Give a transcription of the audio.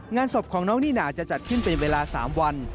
งานศพของน้องนี่น่าจะจัดขึ้นเป็นเวลา๓วัน